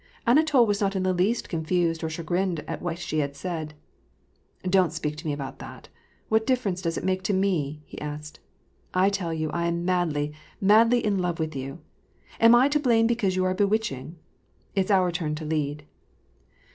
Anatol was not in the least confused or chagrined at what she said. " Don't speak to me about that. What difference does it make to me ?" he asked. " I tell you I am madly, madly in love with you. Am I to blame because you are bewitching ?•.. It's our turn to lead."